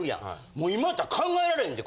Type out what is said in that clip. もう今やったら考えられへんで。